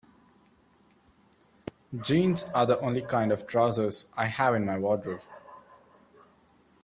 Jeans are the only kind of trousers I have in my wardrobe.